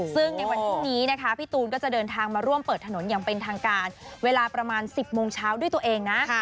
ซึ่งในวันพรุ่งนี้นะคะพี่ตูนก็จะเดินทางมาร่วมเปิดถนนอย่างเป็นทางการเวลาประมาณ๑๐โมงเช้าด้วยตัวเองนะ